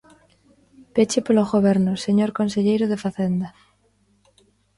Peche polo Goberno, señor conselleiro de Facenda.